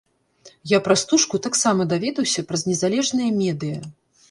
Я пра стужку таксама даведаўся праз незалежныя медыя.